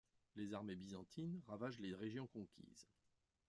Les armées byzantines ravagent les régions conquises.